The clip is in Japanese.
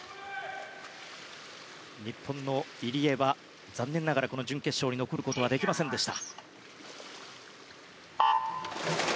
日本の入江は残念ながら準決勝に残ることはできませんでした。